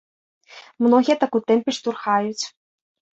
Многія так у тэмпе штурхаюць.